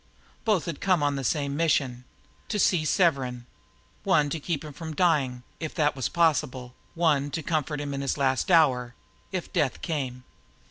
Both had come on the same mission to see Severn; one to keep him from dying, if that was possible, one to comfort him in the last hour, if death came.